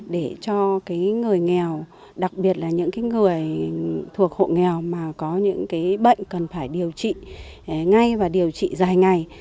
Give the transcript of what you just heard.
để cho người nghèo đặc biệt là những người thuộc hộ nghèo mà có những bệnh cần phải điều trị ngay và điều trị dài ngày